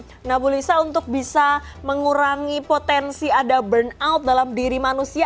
bagaimana bu lisa untuk bisa mengurangi potensi ada burn out dalam diri manusia